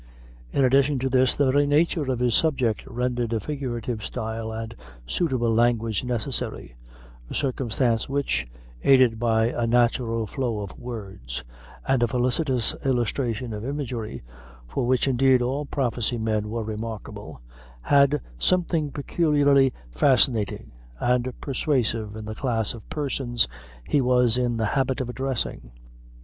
In addition to this, the very nature of his subject rendered a figurative style and suitable language necessary, a circumstance which, aided by a natural flow of words, and a felicitious illustration of imagery for which, indeed, all prophecy men were remarkable had something peculiarly fascinating and persuasive to the class of persons he was in the habit of addressing.